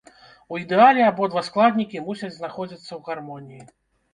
У ідэале абодва складнікі мусяць знаходзяцца ў гармоніі.